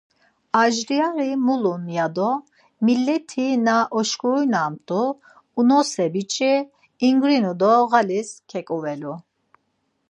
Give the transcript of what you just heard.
Ajliya mulun ya do millet̆ina oşkurinamt̆u unose biç̌i ingrinu do ğalis keǩuvelu.